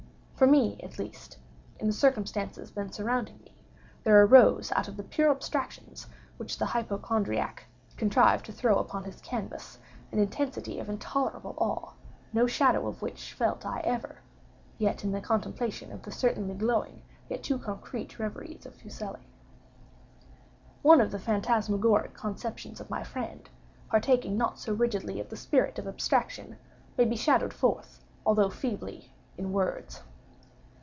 For me at least—in the circumstances then surrounding me—there arose out of the pure abstractions which the hypochondriac contrived to throw upon his canvass, an intensity of intolerable awe, no shadow of which felt I ever yet in the contemplation of the certainly glowing yet too concrete reveries of Fuseli. One of the phantasmagoric conceptions of my friend, partaking not so rigidly of the spirit of abstraction, may be shadowed forth, although feebly, in words.